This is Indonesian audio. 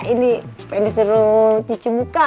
ini pengen disuruh cici buka